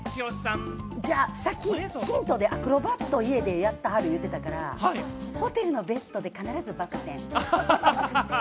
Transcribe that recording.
さっきヒントでアクロバットを家でやってはる言うてたから、ホテルのベッドで必ずバク転。